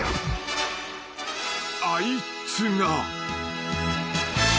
［あいつが］